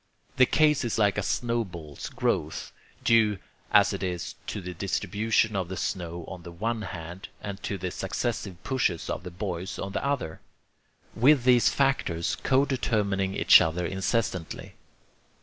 The case is like a snowball's growth, due as it is to the distribution of the snow on the one hand, and to the successive pushes of the boys on the other, with these factors co determining each other incessantly.